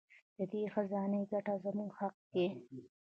د دې خزانې ګټه زموږ حق دی.